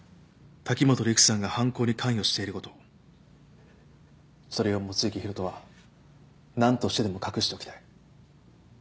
滝本陸さんが犯行に関与していることそれを望月博人は何としてでも隠しておきたい。